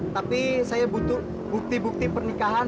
tapi saya butuh bukti bukti pernikahan